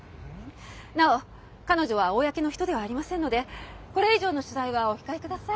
なお彼女は公の人ではありませんのでこれ以上の取材はお控え下さい。